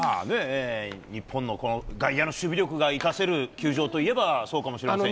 日本のこの外野の守備力が生かせる球場といえば、そうかもしれませんね。